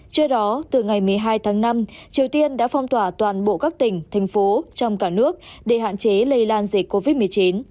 trước đó từ ngày một mươi hai tháng năm triều tiên đã phong tỏa toàn bộ các tỉnh thành phố trong cả nước để hạn chế lây lan dịch covid một mươi chín